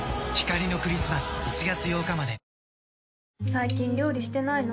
最近料理してないの？